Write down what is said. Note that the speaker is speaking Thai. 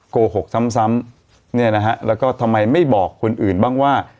โกหกซ้ำเนี่ยนะฮะแล้วก็ทำไมไม่บอกคนอื่นบ้างว่า